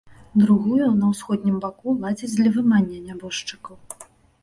Другую на ўсходнім баку ладзяць для вымання нябожчыкаў.